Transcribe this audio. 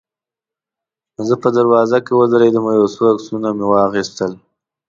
زه په دروازه کې ودرېدم او یو څو عکسونه مې واخیستل.